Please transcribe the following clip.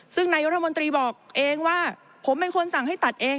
ซึ่งนายรัฐมนตรีบอกเองว่าผมเป็นคนสั่งให้ตัดเอง